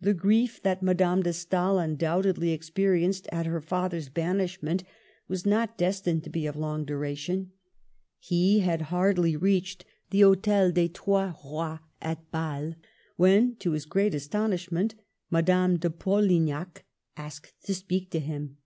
The grief that Madame de Stael undoubtedly experienced at her father's banishment was not destined to be of long duration. He had hardly reached the Hdtel des Trois Rois at B&le, when, to his great astonishment, Madame de Polignac asked to speak to him.